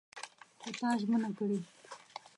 خو تا ژمنه کړې!